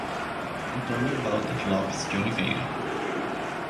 Antônio Valter Lopes de Oliveira